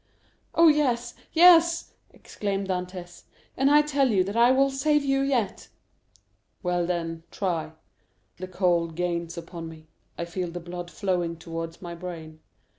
"Oh, yes, yes!" exclaimed Dantès; "and I tell you that I will save you yet." "Well, then, try. The cold gains upon me. I feel the blood flowing towards my brain.